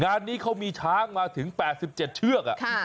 งานนี้เขามีช้างมาถึง๘๗เชือก